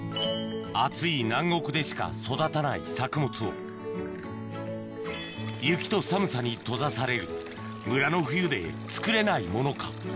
暑い南国でしか育たない作物を雪と寒さに閉ざされる村の冬で作れないものか？